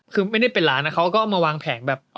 คือไม่ได้เป็นร้านนะเขาก็เอามาวางแผนแบบ